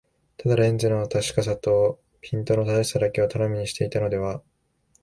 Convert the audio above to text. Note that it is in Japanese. ただレンズの確かさとかピントの正しさだけを頼みにしていたのでは、